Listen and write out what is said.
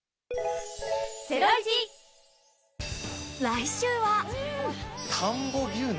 来週は。